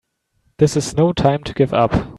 This is no time to give up!